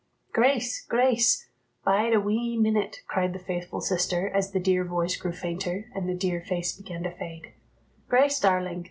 "Grace, Grace, bide a wee minute," cried the faithful sister, as the dear voice grew fainter, and the dear face began to fade "Grace, darling!